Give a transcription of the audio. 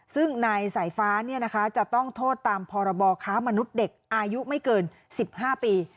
ซึ่งนายสายฟ้าจะต้องโทษตามพรบค้ามนุษย์เด็กอายุไม่เกิน๑๕ปี